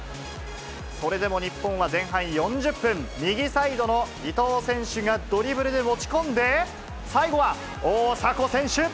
それでも日本は前半４０分、右サイドの伊東選手がドリブルで持ち込んで、最後は大迫選手。